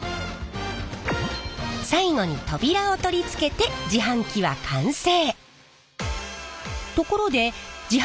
最後に扉を取り付けて自販機は完成！